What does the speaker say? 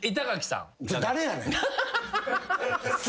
誰やねん。